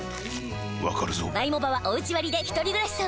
わかるぞ